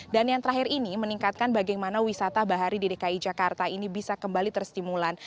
dan yang terakhir ini meningkatkan bagaimana wisata bahari di dki jakarta ini bisa kembali terstimulan